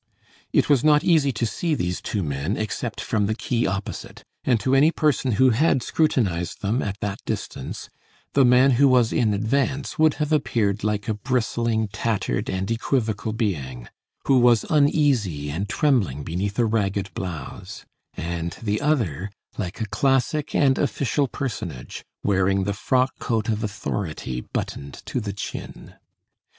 It was not easy to see these two men, except from the quay opposite, and to any person who had scrutinized them at that distance, the man who was in advance would have appeared like a bristling, tattered, and equivocal being, who was uneasy and trembling beneath a ragged blouse, and the other like a classic and official personage, wearing the frock coat of authority buttoned to the chin.